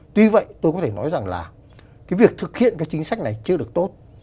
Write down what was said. tuy vậy tôi có thể nói rằng là việc thực hiện chính sách này chưa được tốt